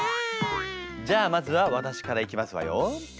じゃあまずは私からいきますわよ。